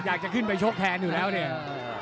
อยากจะขึ้นไปชกแทนอยู่แล้วเนี่ย